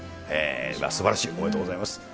すばらしい、おめでとうございます。